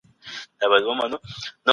د دولت فعالیتونه اوس مؤلد ګڼل کیږي.